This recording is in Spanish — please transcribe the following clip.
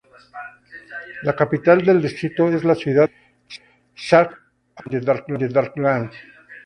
La capital del distrito es la ciudad de Sankt Veit an der Glan.